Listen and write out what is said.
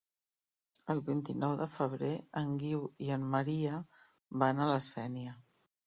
El vint-i-nou de febrer en Guiu i en Maria van a la Sénia.